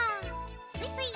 スイスイ。